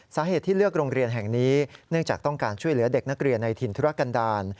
สาเหตุที่เลือกโรงเรียนแห่งนี้เนื่องจากต้องการช่วยเหลือเด็กนักเรียนในถิ่นธุรกันดาล